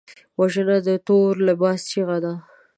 وژنه د تور لباس چیغه ده